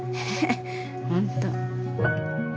本当。